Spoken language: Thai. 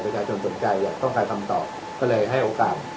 ประชาชนสนใจอยากต้องการคำตอบก็เลยให้โอกาส